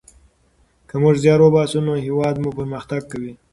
که موږ زیار وباسو نو هیواد مو پرمختګ کوي.